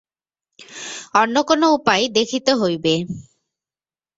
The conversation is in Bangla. অন্য কোনো উপায় দেখিতে হইবে।